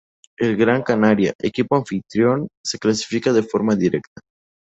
El Gran Canaria, equipo anfitrión, se clasifica de forma directa.